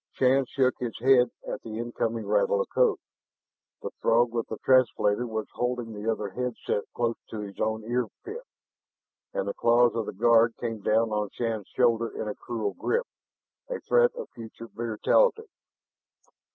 Shann shook his head at the incoming rattle of code. The Throg with the translator was holding the other head set close to his own ear pit. And the claws of the guard came down on Shann's shoulders in a cruel grip, a threat of future brutality.